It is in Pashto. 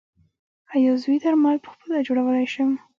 آیا عضوي درمل پخپله جوړولی شم؟